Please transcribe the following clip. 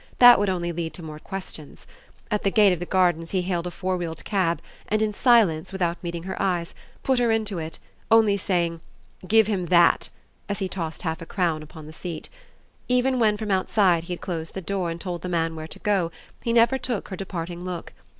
That would only lead to more questions. At the gate of the Gardens he hailed a four wheeled cab and, in silence, without meeting her eyes, put her into it, only saying "Give him THAT" as he tossed half a crown upon the seat. Even when from outside he had closed the door and told the man where to go he never took her departing look.